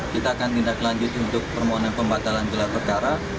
kita akan tindak lanjut untuk permohonan pembatalan gelar perkara